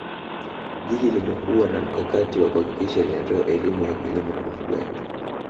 Jiji limekuwa na mkakati wa kuhakikisha linatoa elimu ya kilimo na ufugaji